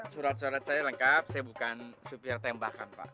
surat surat saya lengkap saya bukan supir tembakan pak